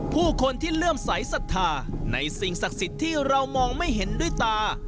ผู้คนที่เลื่อมใสสัทธาในสิ่งศักดิ์สิทธิ์ที่เรามองไม่เห็นด้วยตา